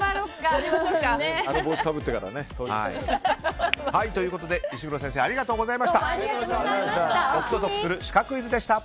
あの帽子かぶってね。ということで、石黒先生ありがとうございました。